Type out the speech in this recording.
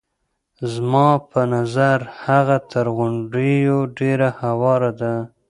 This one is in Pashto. زما په نظر هغه تر غونډیو ډېره هواره ده.